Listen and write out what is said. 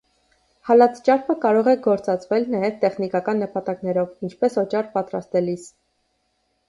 Հալած ճարպը կարող է գործածվել նաև տեխնիկական նպատակներով, ինչպես օճառ պատրաստելիս։